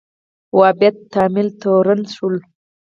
وهابیت تمایل تورن شول